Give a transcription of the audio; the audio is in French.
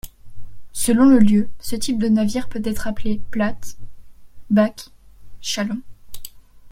Selon le lieu, ce type de navire peut être appelé plate, bac, chaland...